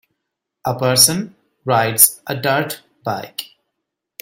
A person rides a dirt bike.